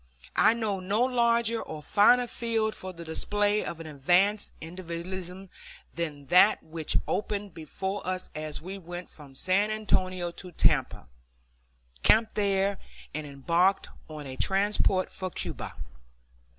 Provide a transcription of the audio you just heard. I know no larger or finer field for the display of an advanced individualism than that which opened before us as we went from San Antonio to Tampa, camped there, and embarked on a transport for Cuba.